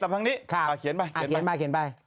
พี่โหน่มมา